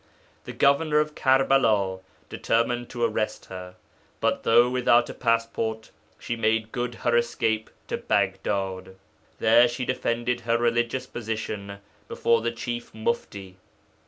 The governor of Karbala determined to arrest her, but, though without a passport, she made good her escape to Baghdad. There she defended her religious position before the chief mufti.